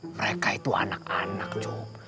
mereka itu anak anak tuh